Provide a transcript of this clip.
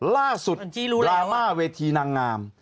ล่าสุดดราม่าเวทีนางงาม